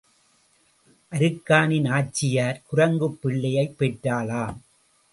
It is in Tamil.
அருக்காணி நாச்சியார் குரங்குப் பிள்ளையைப் பெற்றாளாம்.